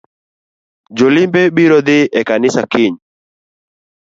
Jolimbe biro dhii e kanisa kiny